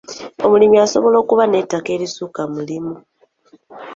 Omulimi asobola okuba n'ettaka erisukka mu limu.